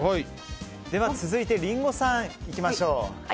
では続いて、リンゴさん行きましょう。